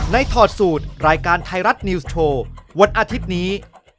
ถอดสูตรรายการไทยรัฐนิวส์โชว์วันอาทิตย์นี้